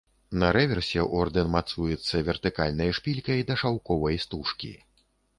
На рэверсе ордэн мацуецца вертыкальнай шпількай да шаўковай стужкі.